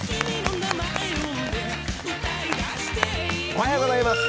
おはようございます。